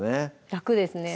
楽ですね